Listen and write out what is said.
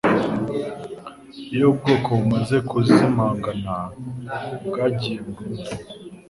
Iyo ubwoko bumaze kuzimangana, bwagiye burundu.